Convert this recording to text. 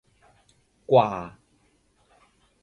กว่า